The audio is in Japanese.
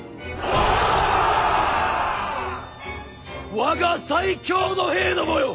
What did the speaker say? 我が最強の兵どもよ！